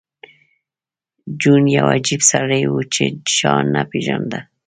جون یو عجیب سړی و چې چا نه پېژانده